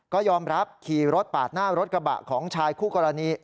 ก็ยอมรับขี่รถปาดหน้ารถกระบะของชายคู่กรณี